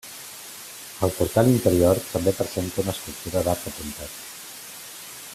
El portal interior també presenta una estructura d'arc apuntat.